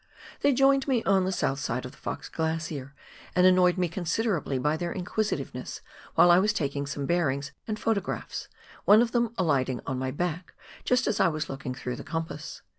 They joined me on the south side of the Fox Glacier, and annoyed me considerably by their inquisitiveness while I was taking some bearings and photographs, one of them alighting on my back just as I was looking through the compass.